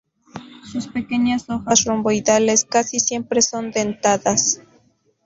Sus pequeñas hojas romboidales casi siempre son dentadas.